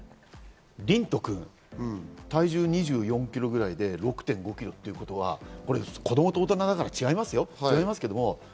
リントくん、体重２４ｋｇぐらいで６．５ｋｇということは、子供と大人だから違いますよ。